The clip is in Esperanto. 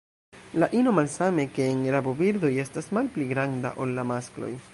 La ino, malsame ke en rabobirdoj, estas malpli granda ol la masklo.